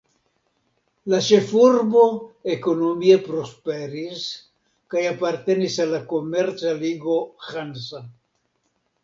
La ĉefurbo ekonomie prosperis kaj apartenis al la komerca ligo Hansa.